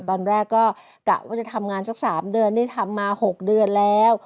ตอนแรกก็กะว่าจะทำงานสัก๓เดือนนี่ทำมา๖เดือนแล้ว